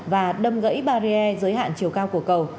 và đâm gãy barrier giới hạn chiều cao của cầu